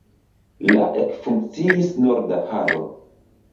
La ekfunkciis norda halo.